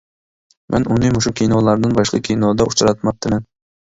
مەن ئۇنى مۇشۇ كىنولاردىن باشقا كىنودا ئۇچراتماپتىمەن.